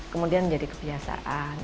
kemudian jadi kebiasaan